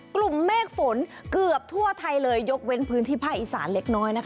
กลุ่มเมฆฝนเกือบทั่วไทยเลยยกเว้นพื้นที่ภาคอีสานเล็กน้อยนะคะ